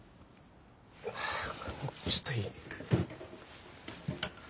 ちょっといい？